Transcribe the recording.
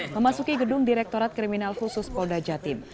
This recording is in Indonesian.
memasuki gedung direktorat kriminal khusus polda jatim